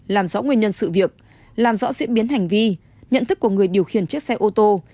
làm rõ nguyên nhân sự việc làm rõ diễn biến hành vi nhận thức của người điều khiển chiếc xe ô tô